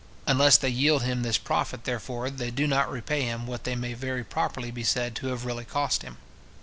Unless they yield him this profit, therefore, they do not repay him what they may very properly be said to have really cost him.